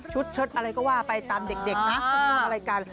ชุดช็อตอะไรก็ว่าไปตามเด็กนะ